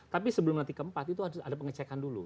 tapi sebelum nanti keempat itu harus ada pengecekan dulu